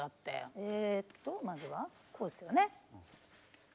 えっとまずはこうですよね。